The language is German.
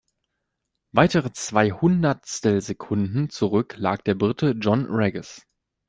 Weitere zwei Hundertstelsekunden zurücklag der Brite John Regis.